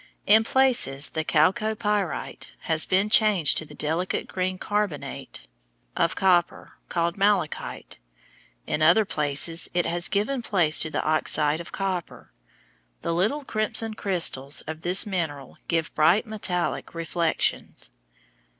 In places the chalcopyrite has been changed to the delicate green carbonate of copper called malachite. In other places it has given place to the oxide of copper. The little crimson crystals of this mineral give bright metallic reflections.